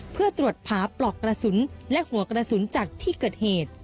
เพื่อตรวจหาปลอกกระสุนและหัวกระสุนจากที่เกิดเหตุ